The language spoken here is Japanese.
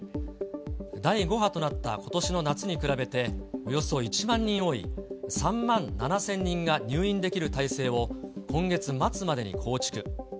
第５波となったことしの夏に比べて、およそ１万人多い、３万７０００人が入院できる体制を、今月末までに構築。